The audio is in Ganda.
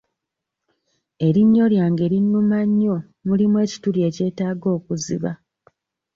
Erinnyo lyange linnuma nnyo mulimu ekituli ekyetaaga okuziba.